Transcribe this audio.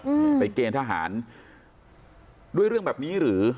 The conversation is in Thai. อืมไปเกณฑ์ทหารด้วยเรื่องแบบนี้หรือ